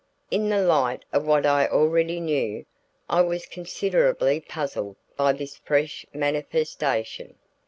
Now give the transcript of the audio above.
In the light of what I already knew, I was considerably puzzled by this fresh manifestation.